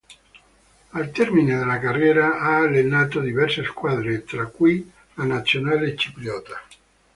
Al termine della carriera ha allenato diverse squadre, tra cui la Nazionale cipriota.